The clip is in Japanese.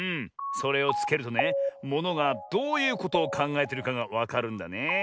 それをつけるとねものがどういうことをかんがえてるかがわかるんだねえ。